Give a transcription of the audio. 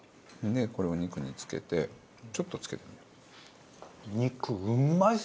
これをお肉につけてちょっとつけるんだ。